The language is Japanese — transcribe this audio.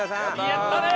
やったね！